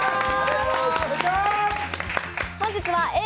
本日はＡぇ！